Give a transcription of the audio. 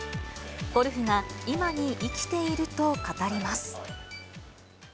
ゴルフが今に生きていると語ります。